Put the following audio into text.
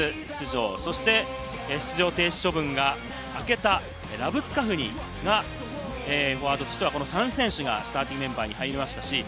そして出場停止処分が明けたラブスカフニがフォワードとしてはこの３選手がスターティングメンバーに入りました。